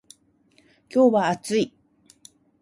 今日は暑い